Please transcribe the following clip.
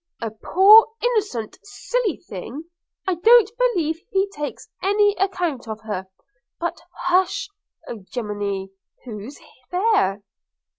a poor innocent silly thing! I don't believe he takes any account of her – But hush! Oh gemini! who's there?'